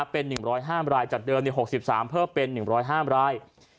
เป็น๑๐๕รายจากเดิม๖๓เพิ่มเป็น๑๐๕ราย